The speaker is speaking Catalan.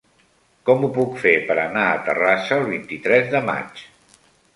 Com ho puc fer per anar a Terrassa el vint-i-tres de maig?